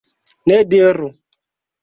Ne diru!